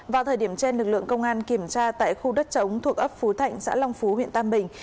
vào thời điểm trên lực lượng công an kiểm tra tại khu đất chống thuộc ấp phú thạnh xã long phú huyện tam bình